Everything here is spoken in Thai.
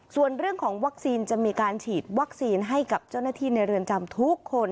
ส่วนเรื่องของวัคซีนจะมีการฉีดวัคซีนให้กับเจ้าหน้าที่ในเรือนจำทุกคน